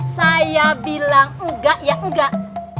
saya bilang enggak ya enggak